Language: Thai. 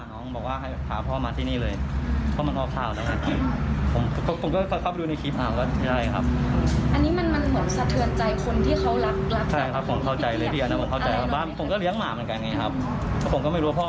นาง